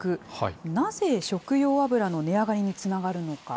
なぜ食用油の値上がりにつながるのか。